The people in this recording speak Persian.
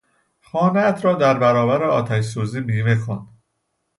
خانهات را در برابر آتش سوزی بیمه کن!